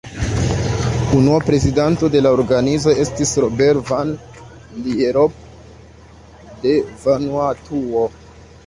Unua prezidanto de la organizo estis Robert Van Lierop de Vanuatuo.